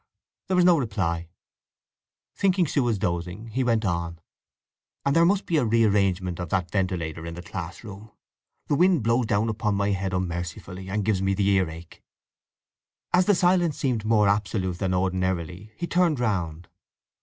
There was no reply. Thinking Sue was dozing he went on: "And there must be a rearrangement of that ventilator in the class room. The wind blows down upon my head unmercifully and gives me the ear ache." As the silence seemed more absolute than ordinarily he turned round.